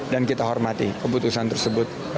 dan kita hormati keputusan tersebut